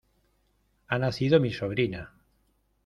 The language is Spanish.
Ha nacido mi sobrina.